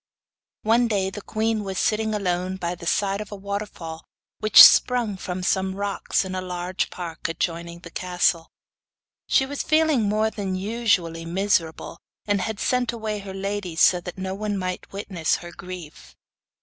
One day the queen was sitting alone by the side of a waterfall which sprung from some rocks in the large park adjoining the castle. She was feeling more than usually miserable, and had sent away her ladies so that no one might witness her grief.